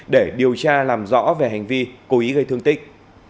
để điều tra làm rõ về hành vi cố ý gây thương tích